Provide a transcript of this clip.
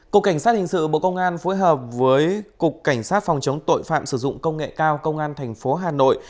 cục cảnh sát hình sự bộ công an phối hợp với cục cảnh sát phòng chống tội phạm sử dụng công nghệ cao công an thành phố hà nội